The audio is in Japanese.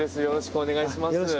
よろしくお願いします。